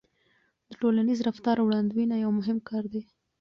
د ټولنیز رفتار وړاندوينه یو مهم کار دی.